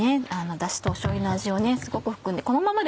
ダシとしょうゆの味をすごく含んで。